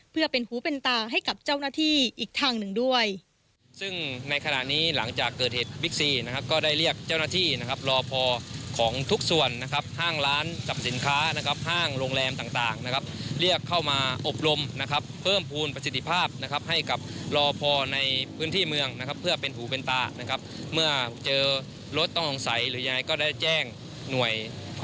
เพื่อเป็นหูเป็นตาให้กับเจ้าหน้าที่อีกทางหนึ่งด้วย